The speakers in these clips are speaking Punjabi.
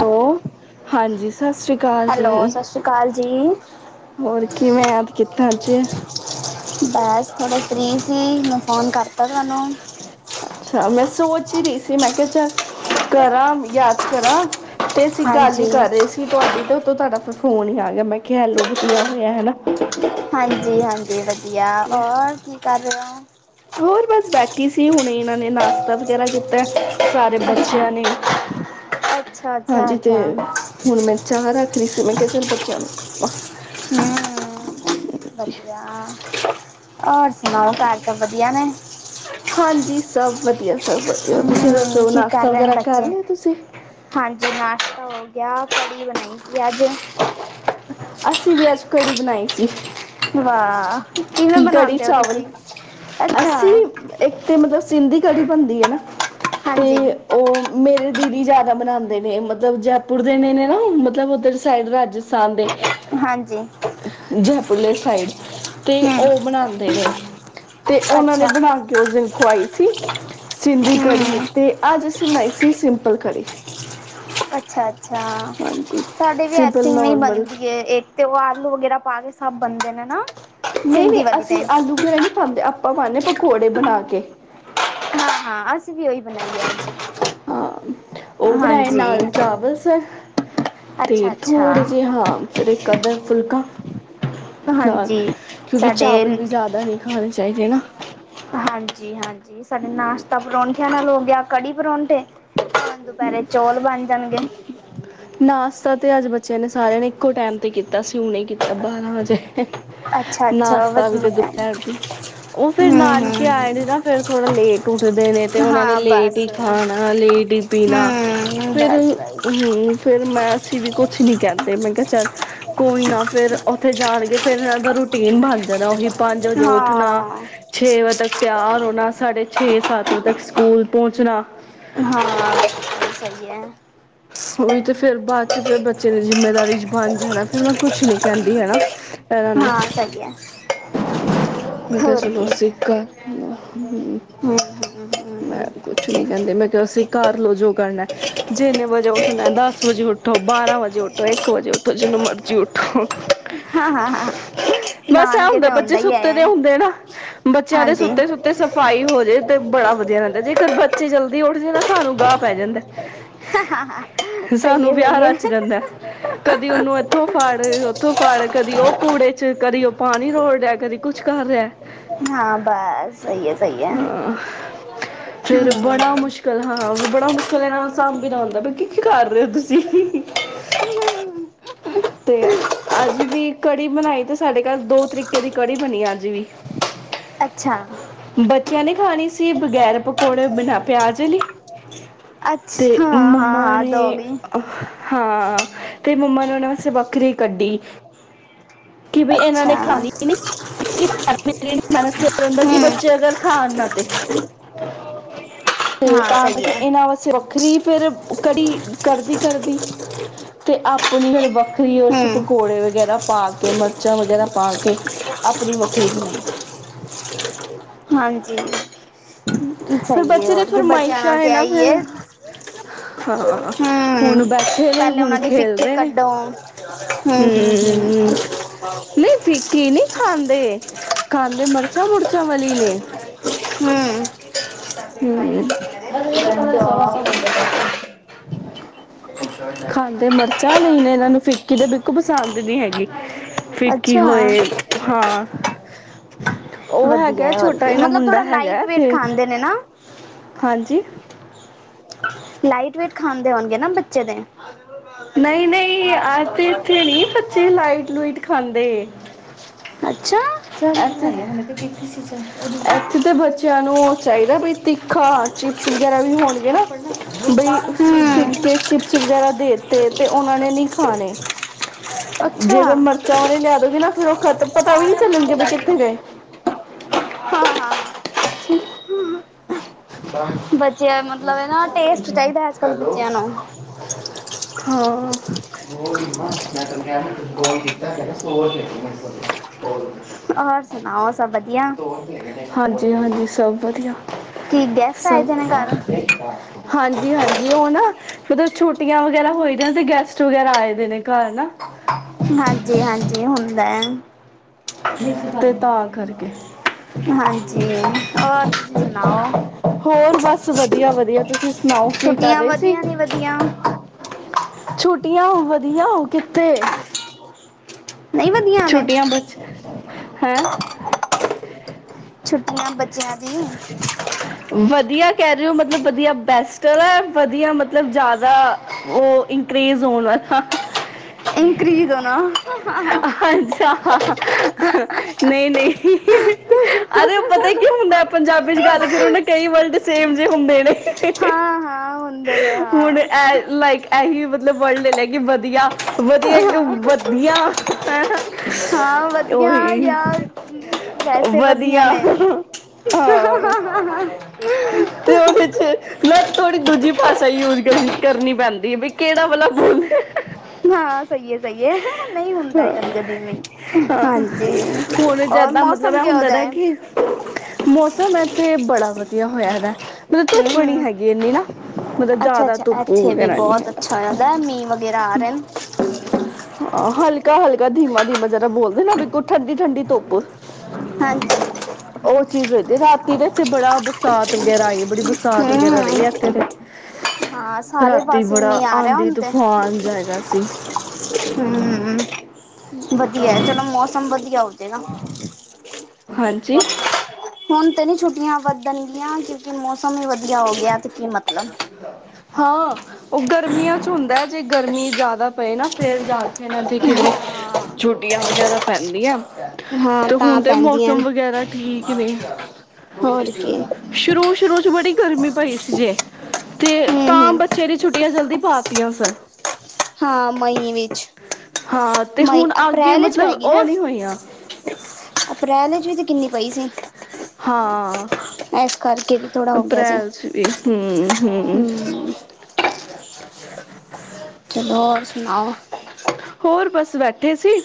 ਲੋ ਹਾਂਜੀ ਸਤਿ ਸ੍ਰੀ ਅਕਾਲ ਜੀ ਹੈਲੋ ਸਤਿ ਸ਼੍ਰੀ ਅਕਾਲ ਜੀ ਹੋਰ ਕਿਵੇਂ ਯਾਦ ਕੀਤਾ ਅੱਜ ਬਸ ਥੋੜ੍ਹੇ ਫਰੀ ਸੀ ਮੈਂ ਫੋਨ ਕਰਤਾ ਤੁਹਾਨੂੰ ਅੱਛਾ ਮੈਂ ਸੋਚ ਹੀ ਰਹੀ ਸੀ ਮੈਂ ਕਿਹਾ ਚੱਲ ਕਰਾਂ ਯਾਦ ਕਰਾਂ ਤੇ ਅਸੀਂ ਗੱਲ ਹੀ ਹਾਂਜੀ ਕਰ ਰਹੇ ਸੀ ਤੁਹਾਡੀ ਤੇ ਉਤੋਂ ਤੁਹਾਡਾ ਫ ਫੋਨ ਹੀ ਆ ਗਿਆ ਮੈਂ ਕਿਹਾ ਐ ਲੋ ਧੀਆ ਹੋਇਆ ਹੈ ਨਾ ਹਾਂਜੀ ਹਾਂਜੀ ਵ ਯਾ ਔਰ ਕੀ ਕਾਰ ਰਹੇ ਓ ਹੋਰ ਬਸ ਬੈਠੀ ਸੀ ਹੁਣੇ ਇਹਨਾਂ ਨੇ ਨਾਸ਼ਤਾ ਵਗੈਰਾ ਕੀਤਾ ਐ ਸਾਰੇ ਅੱਛਾ ਬੱਚਿਆਂ ਨੇ। ਅੱਛਾ ਅੱਛਾ ਹਾਂਜੀ ਤੇ ਅੱਛਾ ਹੁਣ ਮੈਂ ਚਾਹ ਰੱਖ ਰਹੀਂ ਸੀ ਮੈਂ ਕਿਹਾ ਚੱਲ ਬੱਚਿਆਂ ਨੂੰ ਹਾਂਜੀ ਹਮ ਵਦੀਆ। ਹੋਰ ਸੁਣਾਓ ਘਰ ਸਭ ਵਧੀਆ ਨੇ? ਹਾਂਜੀ ਸ ਸਭ ਵਧੀਆ। ਸਭ ਵਧੀਆ ਤੁਸੀਂ ਹਮ ਦੱਸੋ ਕੀ ਕਰ ਨਾਸ਼ਤਾ ਰਹੇ ਨੇ ਵਗੈਰਾ ਬੱਚੇ ਕਰ ਲਿਆ ਤੁਸੀਂ ਹਾਂਜੀ ਨਾਸ਼ਤਾ ਹੋ ਗਿਆ ਕੜੀ ਬਣਾਈ। ਅੱਜ। ਅੱਸੀਂ ਵੀ ਅੱਜ ਕੜੀ ਬਣਾਈ ਸੀ। ਵਾਹ ਕਿਵੇਂ ਕੜੀ ਬਣਾਉਂਦੇ ਹੋ ਚਾਵਲ ਤੁਸੀਂ ਅਸੀਂ ਅੱਛਾ ਇੱਕ ਤੇ ਮਤਲਬ ਸਿੰਧੀ ਕੜੀ ਬਣਦੀ ਹੈ ਨਾ ਤੇ ਹਾਂਜੀ ਉਹ ਮੇਰ ਦੀਦੀ ਜ਼ਿਆਦਾ ਬਨਾਉਂਦੇ ਨੇ ਮਤਲਬ ਜੈਪੁਰ ਦੇ ਨੇ ਨੇ ਨਾ ਮਤਲਬ ਉੱਧਰ ਸਾਈਡ ਰਾਜਸ ਸਾਂਦੇ। ਹਾਂਜੀ ਜੈਪੁਰਲੇ ਸਾਈਡ ਤੇ ਹਮ ਉਹ ਬਣਾਨਦੇ ਨੇ ਤੇ ਉਹਨਾ ਨੇ ਅੱਛਾ ਬਣਾ ਕੇ ਉਸ ਦਿਨ ਖਆਈ ਸੀ ਸਿੰਧੀ ਕੜੀ ਹਮ ਤੇ ਅੱਜ ਅਸੀਂ ਬਣਾਈ ਸੀ ਸਿੰਪਲ ਕੜੀ। ਅੱਛਾ ਅੱਛਾ ਹਾਂਜੀ ਸਾਡੇ ਵੀ ਸਿੰਪਲ ਐਥੇ ਇਵੇਂ ਹੀ ਨੋਰਮਲ ਬਣਦੀ ਹੈ ਇੱਕ ਤੇ ਉਹ [unintelligible] ਆਲੂ ਵਗੈਰਾ ਪਾ ਕੇ ਸਭ ਬਣਦੇ ਨੇ ਨਾ। ਨਹੀਂ ਨਹੀਂ ਸਿੰਧੀ ਵਾਲੀ ਅਸੀਂ ਤੇ ਆਲੂ ਗੈਰਾ ਨਹੀਂ ਖਾਂਦੇ ਆਪਾਂ ਪਾਂਦੇ ਪਕੌੜੇ ਬਣਾ ਕੇ। ਅਸੀ ਵੀ ਉਹਹੀ ਬਣਾਈ ਏ ਅੱਜ। ਹਾਂ ਉਹ ਬਣਾਏ ਹਾਂਜੀ ਨਾਲ ਚਾਵਲ ਸੇ ਤੇ ਅੱਛਾ ਅੱਛਾ ਥੋੜੇ ਜੇ ਹਾਂ ਫਿਰ ਇੱਕ ਅਧਾ ਫੁਲਕਾ। ਨਾਲ ਹਾਂਜੀ ਕਿਉਂਕਿ ਸਾਡੇ ਚਾਵਲ ਵੀ ਜ਼ਿਆਦਾ ਨਹੀਂ ਖਾਣੇ ਚਾਹੀਦੇ ਨਾ। ਹਾਂਜੀ ਯਾਂ ਕੜੀ ਪਰੋਂਠੇ। ਹੁਨ ਦੁਪਿਹਰੇ ਰੇ ਚੌਲ ਬਣ ਜਾਣਗੇ। ਨਾਸ਼ਤਾ ਤੇ ਅੱਜ ਬੱਚਿਆਂ ਨੇ ਸਾਰਿਆਂ ਨੇ ਇੱਕੋ ਟਾਈਮ ਤੇ ਕੀਤਾ ਸੀ ਹੁਣੇ ਕੀਤਾ ਬਾਰਾਂ ਵਜੇ। ਅੱਛਾ ਅੱਛਾ ਨਾਸ਼ਤਾ ਵੀ ਵਧੀਆ ਤੇ ਹੈ ਦੁਪਹਿਰ ਦੀ ਉਹ ਫੇਰ ਹਮ ਨਾਨਕੇ ਆਏ ਹਮ ਨੇ ਨਾ ਫੇਰ ਥੋੜਾ ਲੇਟ ਉੱਠਦੇ ਨੇ ਤੇ ਉਹਨਾ ਨੇ ਹਾਂ ਲੇਟ ਬਸ ਹੀ ਖਾਣਾ ਲੇਟ ਤੇ ਪੀਣਾ ਹਮ ਫਿਰ ਬਸ ਬਸ ਹੂੰ ਫਿਰ ਮੈਂ ਅਸੀਂ ਵੀ ਕੁਛ ਨੀ ਕਹਿੰਦੇ ਮੈਂ ਕਿਹਾ ਚੱਲ ਕੋਈ ਨਾ ਫੇਰ ਉੱਥੇ ਜਾਣਗੇ ਫੇਰ ਇਹਨਾਂ ਦਾ ਰੂਟੀਨ ਬਣ ਜਾਣਾ ਉਹੀ। ਪੰਜ ਵਜੇ ਉੱਠਣਾ ਹਾਂ ਛੇ ਵਜੇ ਤੱਕ ਤਿਆਰ ਹੋਣਾ ਸਾਢੇ ਛੇ ਸੱਤ ਤੱਕ ਸਕੂਲ ਪਹੁੰਚਣਾ। ਹਾਂ ਸਹੀ ਹੈ। ਉਹੀ ਤੇ ਫੇਰ ਬਾਅਦ ਚ ਫਿਰ ਬੱਚੇ ਦੀ ਜਿੰਮੇਦਾਰੀ ਚ ਬਣ ਜਾਣਾ। ਫਿਰ ਮੈਂ ਕੁਛ ਨੀ ਕਹਿੰਦੀ ਹਨਾ ਇਹਨਾਂ ਨੂੰ ਹਾਂ ਸਹੀ ਹੈ ਮੈਂ ਕਿਹਾ ਹੋਰ ਚਲੋ ਕੀ ਹਮ, ਸਿੱਖ ਹੂੰ, ਹਮ, ਮੈਂ ਹਮ, ਕੁਛ ਨੀ ਕਹਿੰਦੀ ਮੈਂ ਕਿਹਾ ਸੀ ਕਰ ਲੋ ਜੋ ਕਰਨਾ ਜਿੰਨੇ ਵਜੇ ਉੱਠਣਾ, ਦਸ ਵਜੇ ਉੱਠੋ, ਬਾਰਾਂ ਵਜੇ ਉੱਠੋ, ਇੱਕ ਵਜੇ ਉੱਠੋ, ਜਿਦੋ ਮਰਜ਼ੀ ਉੱਠੋ। ਹਾਂ ਹਾਂ ਹਾਂ ਬਸ ਇਹ ਨਾਨਕੇ ਹੁੰਦਾ ਤੇ ਬੱਚੇ ਹੀ ਸੁੱਤੇ ਹੈ ਦੇ ਹੁੰਦੇ ਨੇ ਨਾ, ਬੱਚਿਆਂ ਦੇ ਹਾਂਜੀ ਸੁੱਤੇ-ਸੁੱਤੇ ਸਫ਼ਾਈ ਹੋ ਜਾਏ ਤੇ ਬੜਾ ਵਧੀਆ ਰਹਿੰਦਾ ਜੇ ਕਰ ਬੱਚੇ ਜਲਦੀ ਉੱਠ ਜਾਨ ਤੇ ਸਾਨੂੰ ਗਾਹ ਪੈ ਜਾਂਦਾ ਸਹੀ ਸਾਨੂੰ ਹੈ ਵਿਆਹ ਸਹੀ ਹੈ ਰਚ ਜਾਂਦਾ ਕਦੀ ਉਹਨੂੰ ਇੱਥੋਂ ਫੜ, ਉੱਥੋ ਫੜ ਕਦੇ ਕਦੀ ਉਹ ਕੂੜੇ ਚ, ਕਦੀ ਉਹ ਪਾਣੀ ਰੋੜ ਰਿਹਾ ਕਦੀ ਕੁਛ ਕਰ ਰਿਹਾ। ਹਾਂ ਬਸ ਸਹੀ ਹੈ ਸਹੀ ਹੈ ਹਾਂ, ਫੇਰ ਬੜਾ ਹਮ। ਮੁਸ਼ਕਿਲ ਹਾਂ ਬੜਾ ਮੁਸ਼ਕਿਲ ਇਨ੍ਹਾਂ ਨੂੰ ਸਾਬਨਾ ਹੋਂਦਾ। ਕੀ-ਕੀ ਕਰ ਰਹੇ ਹੋ ਤੁਸੀਂ, ਤੇ ਅੱਜ ਵੀ ਕੜੀ ਬਣਾਈ ਤੇ ਸਾਡੇ ਘਰ ਦੋ ਤਰੀਕੇ ਦੀ ਕੜੀ ਬਣੀ ਅੱਜ ਵੀ। ਅੱਛਾ ਬੱਚਿਆਂ ਨੀ ਖਾਣੀ। ਜੀ ਬਗ਼ੈਰ ਪਕੌੜੇ, ਬਿਨਾ ਪਿਆਜ ਲਈ। ਅੱਛਾ। ਹਾਂ ਹਾਂ ਦੋਗੀ ਬੜੇ ਹਾਂ, ਤੇ ਮੰਮਾ ਨੇ ਉਹਨਾਂ ਵਾਸਤੇ ਵੱਖਰੀ ਕੱਢੀ। ਕਿ ਬਈ ਇਹਨਾਂ ਅੱਛਾ ਨੇ ਖਾਣੀ ਵੀ ਨੀ ਮੇਹਨਤ ਕਰਦਾ ਕਿ ਹਮ ਬੱਚੇ ਅਗਰ ਖਾਣ ਨਾ ਤੇ, ਤੇ ਹਾਂ ਤਾਂ ਸਹੀ ਕਰਕੇ ਹੈ ਇਹਨਾਂ ਵਾਸਤੇ ਵੱਖਰੀ ਫੇਰ ਕੜੀ ਕਰਦੀ-ਕਰਦੀ। ਤੇ ਆਪਣੀ ਫੇਰ ਵੱਖਰੀ ਓਸ ਚ ਹਮ ਪਕੌੜੇ ਵਗੈਰਾ ਪਾ ਤੇ ਮਿਰਚਾਂ ਵਗੈਰਾ ਪਾ ਕੇ ਆਪਣੀ ਵੱਖਰੀ ਬਣਾਈ। ਹਾਂਜੀ। ਫਿਰ ਸਹੀ ਹੈ ਬੱਚੇ ਦੀ ਹੋਰ ਕੀ ਬੱਚਿਆਂ ਫਰਮਾਇਸ਼ਾ ਨਾਲ ਤੇ ਨਾ ਆਈ ਫਿਰ ਹੈ ਹਾਂ-ਹਾਂ ਹੁਣ ਹਮ ਬੈਠੇ ਨੇ ਪਹਿਲੇ ਹੁਣ ਉਹਨਾਂ ਦੀ ਖੇਲ ਫਿੱਕੀ ਰਹੇ ਨੇ, ਕੱਢੋ ਹਮ ਹਮ ਹਮ ਹੂੰ, ਨਹੀਂ ਫਿੱਕੀ ਨਹੀ ਖਾਂਦੇ। ਖਾਂਦੇ ਮਰ [unintelligible] ਹੂੰ। ਖਾਂਦੇ ਹਮ ਮਿਰਚਾਂ ਵਾਲੀ ਨੇ, ਇਹਨਾਂ ਨੂੰ ਫਿੱਕੀ ਤੇ ਬਿਲਕੁਲ ਪਸੰਦ ਨੀ ਹੈਗੀ। ਫਿੱਕੀ ਅੱਛਾ ਹੋਏ ਹਾਂ। ਉਹ ਵਧੀਆ ਹੈਗਾ ਹੈ ਹੋਰ ਛੋਟਾ ਕੀ ਜਿਨਾਂ ਮਤਲਬ ਮੁੰਡਾ ਥੋੜਾ ਹੈਗਾ। ਲਾਈਟ ਵੇਟ ਖਾਂਦੇ ਨੇ ਨਾ ਹਾਂਜੀ। ਲਾਈਟ ਵੇਟ ਖਾਂਦੇ ਹੋਣਗੇ, ਨਾ ਬੱਚੇ ਤੇ। ਨਹੀਂ-ਨਹੀਂ ਆ ਤੇ ਇੱਥੇ ਨੀ ਬੱਚੇ ਲਾਈਟ ਲੁਟ ਖਾਂਦੇ, ਅੱਛਾ ਇੱਥੇ ਤੇ ਬੱਚਿਆਂ ਨੂੰ ਚਾਹੀਦਾ ਬਈ ਤਿੱਖਾ ਚਿਪਸ ਵਗੈਰਾ ਵੀ ਹੋਣਗੇ ਨਾ ਬਈ ਹਮ ਫਿੱਕੇ ਚਿਪਸ ਵਗੈਰਾ ਦੇ ਤੇ-ਤੇ ਉਹਨਾਂ ਨੇ ਨਹੀਂ ਖਾਣੇ ਅੱਛਾ ਜੇਕਰ ਹਾਂ ਮਿਰਚਾਂ ਵਾਲੇ ਲਿਆ ਦੋਗੇ ਨਾ ਫਿਰ ਉਹ ਖਤਮ, ਪਤਾ ਵੀ ਨਹੀਂ ਚੱਲਣਗੇ ਬਈ ਕਿੱਥੇ ਗਏ। ਹਾਂ ਅਛ ਬੱਚੇ ਮਤਲਬ ਹੈ ਨਾ ਟੇਸਟ ਚਾਹੀਦਾ ਅੱਜ ਕੱਲ ਹੈਲੋ, ਬੱਚਿਆਂ ਨੂੰ ਹਾਂ। ਗੋਲ ਮੈਂ ਤਹਨੂੰ ਕਿਹਾ ਗੋਲ ਕੀਤਾ ਕ [inaudible] ਹੋਰ ਸੁਣਾਓ। ਸਭ ਵਧੀਆ ਹਾਂਜੀ-ਹਾਂਜੀ। ਸਭ ਵਧੀਆ। ਕੀ ਗੈਸਟ ਆਏ ਸਭ ਦੇ ਨੇ ਘਰ ਵਧੀਆ, ਹਾਂਜੀ- ਹਾਂਜੀ, ਉਹ ਨਾ। ਫਦ ਛੁੱਟੀਆਂ ਵਗ਼ੈਰਾ ਹੋਈ, ਤੇ ਗੈਸਟ ਵਗੈਰਾ ਆਏ ਦੇ ਨੇ ਘਰ ਨਾ। ਹਾਂਜੀ-ਹਾਂਜੀ ਹੁੰਦਾ ਹੈ। ਜਿੱਧ ਦਾਗ ਕਰਕੇ ਹਾਂਜੀ ਔਰ ਤੁਸੀਂ ਸੁਣਾਓ ਹੋਰ ਬਸ ਵਧੀਆ- ਵਧੀਆ, ਤੁਸੀਂ ਸੁਣਾਓ ਕੀ ਕਰ ਛੁੱਟੀਆਂ ਰਹੇ ਸੀ, ਵਧੀਆ ਨੀ ਵਧੀਆ ਛੋਟੀ ਛੁੱਟੀਆਂ, ਵਧੀਆ ਕਿੱਥੇ। ਨਹੀਂ ਵਧੀਆ, ਛੁੱਟੀਆਂ ਬਚ ਹੈਂ ਛੁੱਟੀਆਂ ਬੱਚਿਆਂ ਦੀਆਂ ਵਧੀਆ ਕਹਿ ਰਹੇ ਹੋ, ਮਤਲਬ ਵਧੀਆ ਬੈਸਟ ਵਾਲਾ ਵਧੀਆ ਮਤਲਬ ਜ਼ਿਆਦਾ ਉਹ ਇਨਕਰੇਜ ਹੋਣ ਵਾਲਾ। ਇਨਕਰੀਜ਼ ਹੋਣਾ ਹਾਂ ਨਹੀਂ-ਨਹੀਂ, ਅਰੇ ਪਤਾ ਕਿਉ ਹੁੰਦਾ। ਪੰਜਾਬੀ 'ਚ ਗੱਲ ਕਰੋ ਨਾ, ਕਈ ਵਰਲਡ ਸੇਮ ਜਿ ਹੁੰਦੇ ਨੇ, ਹਾਂ ਹਾਂ ਹੁੰਦੇ ਨੇ ਹੁਣ ਹਾਂ ਇਹ ਲਾਈਕ ਇਹੀ ਮਤਲਬ ਵਰਲਡ ਲੈ ਕੇ ਵਧੀਆ ਹਾਂ ਵਧੀਆ ਹਾਂ ਵਧੀਆ ਓਹੀ ਯਾਰ ਵੈਸੇ ਵਧੀਆ ਨੇ ਹਾਂ, ਤੇ ਉਹਦੇ 'ਚ ਮੈਂ ਥੋੜੀ ਦੂਜੀ ਭਾਸ਼ਾ ਯੂਜ ਕਰਨੀ ਪੈਂਦੀ ਹੈ ਬਈ ਕਿਹੜਾ ਭਾ ਬੋਲ। ਹਾਂ ਸਹੀ ਹੈ ਸਹੀ ਹੈ ਨਹੀਂ ਹੁੰਦਾ ਕਦੀ ਕਦੀ ਵੀ ਹਾਂ ਹਾਂਜੀ ਹੁਣ ਹੋਰ ਜਿਆਦਾ ਮਤਲਬ ਮੌਸਮ ਇਹ ਕਿੋ ਹੁੰਦਾ ਜਾਹਾ ਨਾ ਹੈ ਕਿ ਮੌਸਮ ਹੈ ਤੇ ਬੜਾ ਵਧੀਆ ਹੋਇਆ ਹੈਗਾ ਮਤਲਬ ਧੁੱਪ ਨੀ ਹਮ ਹੈਗੀ ਇੰਨੀ ਨਾ ਮਤਲਬ ਅੱਛਾ ਜ਼ਿਆਦਾ ਅੱਛਾ ਧੁੱਪ ਇੱਥੇ ਵੀ ਹੋਣਾ ਨੀ ਬਹੁਤ ਹੈਗਾ ਅੱਛਾ ਹੋ ਜਾਂਦਾ ਮੀਂਹ ਵਗੈਰਾ ਆ ਰਹੇ ਨੇ ਹਲਕਾ ਹਲਕਾ ਧੀਮਾ ਧੀਮਾ ਜਰਾ ਬੋਲਦੇ ਨਾ ਵੀ ਕੋਈ ਠੰਡੀ ਠੰਡੀ ਧੁੱਪ ਹਾਂਜੀ ਉਹ ਚੀਜ਼ ਰਾਤੀ ਤੇ ਇੱਥੇ ਬੜਾ ਬਰਸਾਤ ਵਗੈਰਾ ਆਈ ਹੈ ਬੜੀ ਬਰਸਾਤ ਵਗ਼ੈਰਾ ਰਹੀ ਹੈ ਹਮ ਇੱਥੇ ਹਾਂ ਤੇ ਸਾਰੇ ਰਾਤੀ ਪਾਸੇ ਬੜਾ ਮੀਂਹ ਆ ਰਿਹਾ ਆਂਧੀ ਹੁਣ ਤੇ ਤੂਫਾਨ ਜਾਏਗਾ ਸੀ ਹਮ ਵਧੀਆ ਚਲੋ ਮੌਸਮ ਵਧੀਆ ਕਿ ਨਾ ਹਾਂਜੀ ਹੁਣ ਤਾਂ ਨਹੀਂੀ ਛੁੱਟੀਆਂ ਵੱਧਣਗੀਆਂ ਕਿਉਂਕਿ ਮੌਸਮ ਹੀ ਵਧੀਆ ਹੋ ਗਿਆ ਤੇ ਕੀ ਮਤਲਬ ਹਾਂ ਉਹ ਗਰਮੀਆਂ ਚ ਹੁੰਦਾ ਏ ਜ ਜੇ ਗਰਮੀ ਜ਼ਿਆਦਾ ਪਏ ਨਾ ਫੇਰ ਜਾ [inaudible] ਇਹਨਾਂ ਦੀ ਕਈ ਵਾਰੀ ਛੁੱਟੀਆਂ ਵਗੈਰਾ ਪੈਂਦੀਆਂ ਹਾਂ ਤੇ ਤਾਂ ਹੁਣ ਤੇ ਪੈਂਦੀਆਂ ਮੌਸਮ ਨੇ ਵਗੈਰਾ ਠੀਕ ਨੇਂ ਹੋਰ ਕੀ ਸ਼ੁਰੂ ਸ਼ੁਰੂ ਚ ਬੜੀ ਗਰਮੀ ਪਈ ਸੀ। ਜੇ ਤੇ ਹੂੰ ਤਾਂ ਹੂੰ ਬੱਚੇ ਦੀ ਛੁੱਟੀਆਂ ਜਲਦੀ ਪਾ ਟੀਆਂ ਸਨ ਹਾਂ ਮਈ ਵਿੱਚ ਹਾਂ ਤੇ ਮਈ ਹੁਣ ਅੱਗੇ ਅਪ੍ਰੈਲ ਇਚ ਪਏ ਮਤਲਬ ਗਈ ਉਹ ਨਾ ਨਹੀਂ ਹੋਈਆਂ ਅਪ੍ਰੈਲ ਇਚ ਵੀ ਤੇ ਕਿੰਨੀ ਪਈ ਸੀਂ ਹਾਂ ਪੁਚ ਪੁਚ ਕਰਕੇ ਵੀ ਥੋੜਾ ਹੋ ਗਿਆ ਸੀ ਅਪ੍ਰੈਲ ਚ ਵੀ ਹਮ ਹਮ [inaudible] ਹੂੰ ਚਲੋ ਹੋਰ ਸੁਨਾਓ। ਬਲੈਂਕ ਹੋਰ ਬਸ ਬੈਠ ਠੇ ਸੀ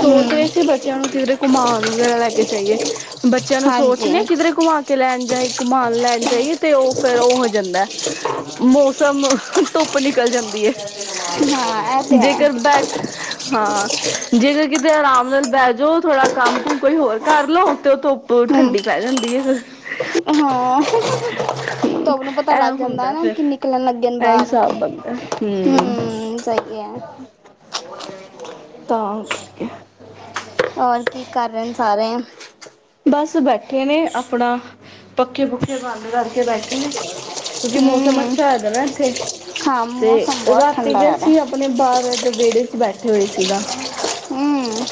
ਹੂੰ ਰਹੇ ਸੀ ਬੱਚਿਆਂ ਨੂੰ ਕਿਧਰੇ ਘੁੰਮਾਨ ਵਗੈਰਾ ਲੈ ਕੇ ਜਾਈਏ। ਬੱਚਿਆਂ ਨੂੰ ਸੋਚ ਹਾਂਜੀ ਨੀਆ ਕਿਧਰੇ ਘੁਮਾ ਕੇ ਲੈਨ ਜਾਏ ਘੁਮਾਣ ਲੈਨ ਜਾਹੀਏ ਤੇ ਓਹ ਫੇਰ ਓਹ ਹੋ ਜਾਂਦਾ ਐ ਮੌਸਮ ਹੁਹ ਧੁੱਪ ਨਿਕਲ ਜਾਂਦੀ ਹੈ। ਹਾਂ ਇਹ ਤੇ [inaudible] ਜੇ ਹੈ ਬੈਠ ਹਾਂ ਜਦੋ ਕਿਤੇ ਆਰਾਮ ਨਾਲ ਬਹਿ ਜਾਓ ਥੋੜਾ ਕੰਮ ਕੁਮ ਕੋਈ ਹੋਰ ਕਰ ਲਓ ਤੇ ਉਹ ਧੁੱਪ ਠੰਡੀ ਪੈ ਜਾਂਦੀ ਹੈ ਫਿਰ। ਅ ਹਾਂ ਤੁਹਾਨੂੰ ਪਤਾ ਐ ਲੱਗ ਜਾਂਦਾ ਏ ਹੁੰਦਾ ਨਾ ਫਿਰ। ਕਿ ਨਿਕਲਨ ਲੱਗੇ ਨੇ ਐ ਬਾਹਰ ਹਿਸਾਬ ਬਣਦਾ ਹੂੰ ਸਹੀ ਹੈ। ਤਾਂ ਕਰਕੇ ਹੋਰ ਕੀ ਕਰ ਰਹੇ ਨੇਂ ਸਾਰੇ। ਬਸ ਬੈਠੇ ਨੇ ਆਪਣਾ ਪੱਖੇ ਪੁੱਖੇ ਬੰਦ ਕਰਕੇ ਬੈਠੇ ਨੇ ਕਿਉਂਕਿ ਮੌਸਮ ਹਮ ਅੱਛਾ ਹੋਇਆ ਦਾ ਨਾ ਇੱਥੇ। ਹਾਂ ਤੇ ਮੌਸਮ ਬਹੁਤ ਰਾਤੀ ਠੰਡਾ ਤੇ ਹੈ ਉਹਦਾ ਅਸੀ ਆਪਣੇ ਬਾਹਰ ਇੱਥੇ ਵੇਹੜੇ ਚ ਈ ਬੈਠੇ ਹੋਏ ਸੀਗਾ ਹਮ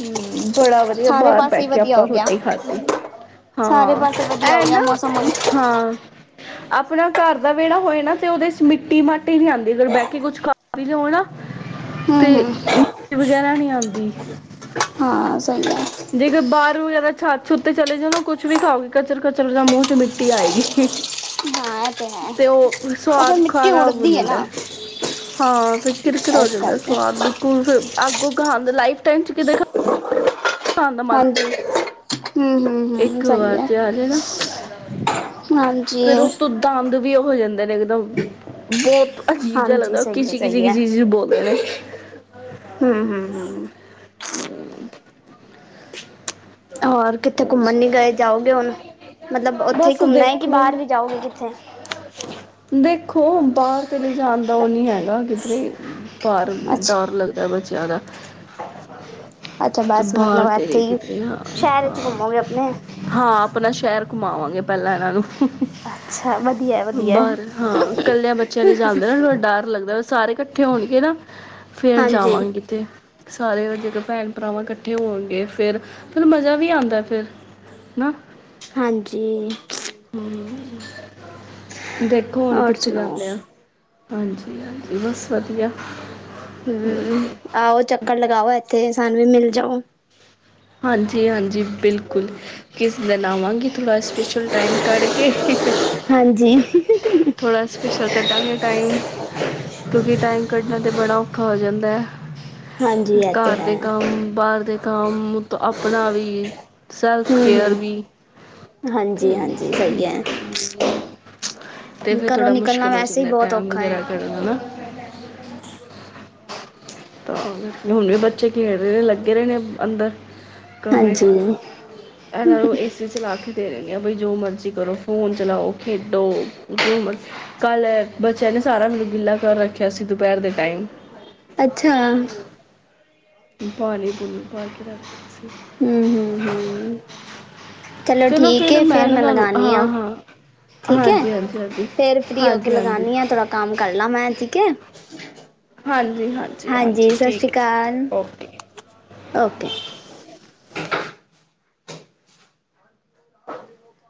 ਹੂੰ ਬੜਾ ਵਧੀਆ ਸਾਰੇ ਬਾਹਰ ਪਾਸੇ ਬੈ ਹੀ ਕੇ ਵਧੀਆ ਆਪਾਂ ਹੋ ਗਿਆ ਸੋਚ ਖਾਦੀ ਸਾਰੇ ਹਾਂ ਪਾਸੇ ਵਧੀਆ ਹੋ ਇਹ ਗਿਆ ਨਾ ਮੌਸਮ ਹੁਣ ਹਾਂ ਆਪਣਾ ਘਰ ਦਾ ਵਿਹੜਾ ਹੋਏ ਨਾ ਤੇ ਉਹਦੇ ਚ ਮਿੱਟੀ ਮਾਟੀ ਨੀ ਆਦੀ ਅਗਰ ਬਹਿ ਕੇ ਕੁਛ ਖਾ ਪੀ ਲਿਓ ਨਾ। ਤੇ ਹਮ ਹਮ ਮਿਟੀ ਵਗੈਰਾ ਨੀ ਆਦ ਦੀ ਹਾਂ ਸਹੀ ਹੈ ਜੇ ਕੋਈ ਬਾਹਰ ਵਗੈਰਾ ਛੱਤ ਛੱ ਤੇ ਚਲੇ ਜਾਣਾ ਕੁੱਛ ਵੀ ਖਾਓਗੀ ਕਚਰ-ਕਚਰ ਜਾਂ ਮੂੰਹ ਚ ਮਿੱਟੀ ਆਏਗੀ। ਮ ਤੇ ਹੈ ਉਹ ਫਿਰ ਸਵਾਦ ਮਿੱਟੀ ਖਾਰਾ ਹੋ ਉੱਡਦੀ ਹੈ ਜਾਂਦਾ ਨਾ, ਹਾਂ ਫ ਕਿਰ ਕਿਰਾ ਹੋ ਇਸ ਜਾਂਦਾ ਕਰਕੇ ਸਵਾਦ ਬਿਲਕੁਲ ਫਿਰ ਅੱਗੋ ਗਾਦ ਲਾਈਫ ਟਾਈਮ ਚ ਕਿ ਹਾਂਜੀ, ਹੂੰ-ਹੂੰ-ਹੂੰ, ਇੱਕ ਸਹੀ ਵਾਰ ਹੈ ਚ ਆ ਜੇ ਨਾ ਹਾਂਜੀ। ਫਿਰ ਉਤੋਂ ਦੰਦ ਵੀ ਉਹ ਹੋ ਜਾਂਦੇ ਨੇ ਇੱਕਦਮ ਬਹੁਤ ਅਜੀਬ ਜਿਹਾ ਹਾਂਜੀ ਲੱਦਾ ਉਹ ਸਹੀ ਕਿਸੀ-ਕਿਸੀ-ਕਿਸੀ ਚੀ ਬੋਲਦੇ ਨੇ, [unintelligible] ਹੂੰ-ਹੂੰ-ਹੂੰ, ਹੋਰ ਕਿੱਥੇ ਘੁੰਮਣ ਨੀ ਗਏ ਜਾਓਗੇ ਹੁਣ ਮਤਲਬ ਉੱਥੇ ਹੀ ਬਸ ਘੁੰਮਣਾ ਹੈ ਕਿ ਦੇਖੋ ਬਾਹਰ ਵੀ ਜਾਓਗੇ ਕਿੱਤੇ ਖੋ ਬਾਹਰ ਤੇ ਨਹੀਂ ਜਾਣ ਦਾ ਉਹ ਨੀ ਹੈਗਾ ਕਿਧਰੇ ਭਾਰ ਅੱਛਾ ਡਰ ਲਗਦਾ ਬੱਚਾ ਜਾਿਆਦਾ, ਅੱਛਾ ਬਸ ਮਤਲਬ ਇੱਥੇ ਹੀ ਹਾਂ ਸ਼ਹਿਰ ਹਾਂ ਚ ਘੁੰਮੋਗੇ ਆਪਣੇ ਕਮਾਵਾਂਗੇ ਪਹਿਲਾਂ ਇਹਨਾਂ ਨੂੰ ਅੱਛਾ ਵਧੀਆ, ਵਧੀਆ ਬਾਰ ਹਾਂ ਕੱਲਿਆਂ ਬੱਚਿਆਂ ਲਈ ਜਾਂਣਦੇ ਨਾਥੜਾ ਡਰ ਲੱਗਦਾ। ਸਾਰੇ ਇਕੱਠੇ ਹੋਣਗੇ ਨਾ, ਫਿਰ ਹਾਂਜੀ ਜਾਵਾਂਗੇ ਤੇ ਸਾਰੇ ਜੇ ਭੈਣ ਭਰਾਵਾਂ ਇਕੱਠ ਇਕੱਠੇ ਹੋਣਗੇ ਫਿਰ ਫਿਰ ਮਜ਼ਾ ਵੀ ਆਦਾ ਫਿਰ ਹਨਾ। ਹਾਂਜੀ ਹੂੰ ਦੇਖੋ ਹੁਣ ਹੋਰ ਕਿੱਥੇ ਸੁਣਾਓ ਜਾਂਦੇ ਆ। ਹਾਂਜੀ ਹਾਂਜੀ ਬਸ ਵਧੀਆ। ਹੂੰ ਆਓ ਚੱਕਰ ਲਗਾਓ ਇੱਥੇ। ਤੇ ਸਾਨੂੰ ਵੀ ਮਿਲ ਜਾਓ। ਹਾਂਜੀ ਹਾਂਜੀ ਬਿਲਕੁਲ ਕਿਸ ਦਿਨ ਆਵਾਂਗੀ ਥੋੜ੍ਹਾ ਸਪੈਸ਼ਲ ਟਾਈਮ ਕੱਢ ਕੇ ਹਾਂਜੀ ਥੋੜ੍ਹਾ ਸਪੈਸ਼ਲ ਕੱਢਾਂਗੇ ਟਾਈਮ ਕਿਉਂਕਿ ਟਾਈਮ ਕੱਢਣਾ ਤਾਂ ਬੜਾ ਔਖਾ ਹੋ ਜਾਂਦਾ। ਹਾਂਜੀ ਇਹ ਤੇ ਘਰ ਹੈ ਦੇ ਕੰਮ ਬਾਹਰ ਦੇ ਕੰਮ ਆਪਣਾ ਵੀ ਸੈਲਫ ਹਮ ਕੇਅਰ ਹਮ ਵੀ ਹਾਂਜੀ ਤੇ ਹਾਂਜੀ ਸਹੀ ਹੈ ਫੇਰ ਘਰੋਂ ਥੋੜਾ ਨਿਕਲਣਾ ਮੁਸ਼ਕਿਲ ਹੋ ਵੈਸੇ ਹੀ ਜਾਂਦਾ ਬਹੁਤ ਟੈਮ ਔਖਾ ਹੈ ਵਗੈਰਾ ਕਢਣਾ ਨਾ। [unintelligible] [unintelligible] ਤਾਂ ਹੁਣ ਵੀ ਬੱਚੇ ਖੇਡ ਰਹੇ ਨੇ ਲੱਗੇ ਰਹੇ ਨੇ ਅੰਦਰ ਕਮਰੇ ਹਾਂਜੀ ਐਨਾ ਨੂੰ ਏਸੀ ਚਲਾ ਕੇ ਦੇ ਦਿੰਨੀ ਆ ਵੀ ਜੋ ਮਰਜ਼ੀ ਕਰੋ ਫੋਨ ਚਲਾਓ ਖੇਡੋ ਜੋ ਮਰਜ਼ੀ ਕੱਲ ਬੱਚਿਆਂ ਨੇ ਸਾਰਾ ਗਿੱਲਾ ਕਰ ਰੱਖਿਆ ਸੀ ਦੁਪਹਿਰ ਦੇ ਟਾਈਮ ਅੱਛਾ ਹਮ ਪਾਣੀ ਪੁੱਜੀ ਭਰ ਕੇ ਰਖ ਤਾਂ ਸੀ। ਹੂੰ ਹੂੰ ਹੂੰ ਚਲੋ ਠੀਕ ਹੈ ਫੇਰ ਮੈਂ ਲਗਾਦੀ ਹਾਂ ਠੀਕ ਹੈ ਹਾਂਜੀ ਹਾਂਜੀ ਹਾਂਜੀ ਫੇਰ ਫਰੀ ਹੋ ਕੇ ਹਾਂਜੀ ਹਾਂਜੀ ਲਗਾਦੀ ਹਾਂ ਥੋੜਾ ਕੰਮ ਕਰ ਲਾ ਮੈਂ ਠੀਕ ਹੈ। [unintelligible] ਹਾਜੀ ਹਾਂਜੀ ਸਤਿ ਸ੍ਰੀ ਅਕਾਲ ਓਕੇ ਓਕੇ। [unintelligible]